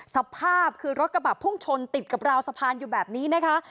สภาพคือรถกระบะพุ่งชนติดกับราวสะพานอยู่แบบนี้นะคะ